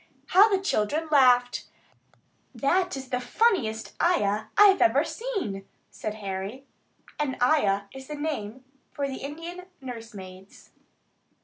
How the children laughed! "That is the funniest 'ayah' I have ever seen," said Harry. An "ayah" is the name for the Indian nursemaids.